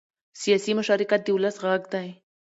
سیاسي مشارکت د ولس غږ دی